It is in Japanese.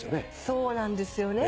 そうなんですよね。